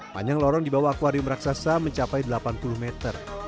panjang lorong di bawah akwarium raksasa mencapai delapan puluh meter